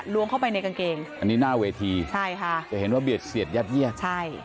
ล้วงเข้าไปในกางเกงอันนี้หน้าเวทีใช่ค่ะจะเห็นว่าเบียดเสียดยัดเยียดใช่